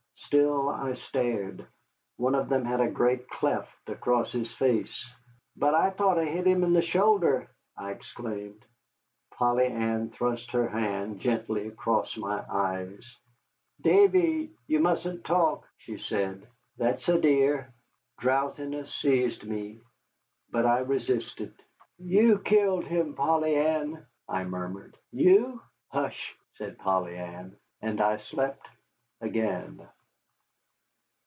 Still I stared. One of them had a great cleft across his face. "But I thought I hit him in the shoulder," I exclaimed. Polly Ann thrust her hand, gently, across my eyes. "Davy, ye mustn't talk," she said; "that's a dear." Drowsiness seized me. But I resisted. "You killed him, Polly Ann," I murmured, "you?" "Hush," said Polly Ann. And I slept again.